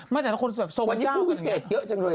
แต่คนทรงเจ้ากันอย่างนี้วันนี้ผู้พิเศษเยอะจังเลย